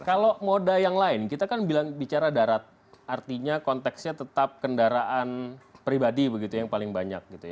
kalau moda yang lain kita kan bilang bicara darat artinya konteksnya tetap kendaraan pribadi begitu yang paling banyak gitu ya